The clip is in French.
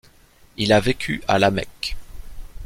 Il a vécu à la Mecque.